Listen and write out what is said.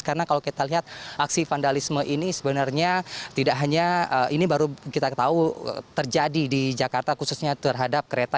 karena kalau kita lihat aksi vandalisme ini sebenarnya tidak hanya ini baru kita tahu terjadi di jakarta khususnya terhadap kereta